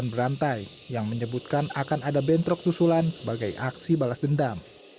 dan berantai yang menyebutkan akan ada bentrok susulan sebagai aksi balas dendam